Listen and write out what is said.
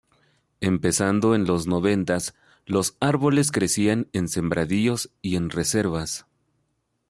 Empezando en los noventas los árboles crecían en sembradíos y en reservas.